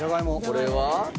これは。